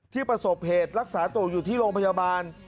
ประสบเหตุรักษาตัวอยู่ที่โรงพยาบาล